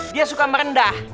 dia suka merendah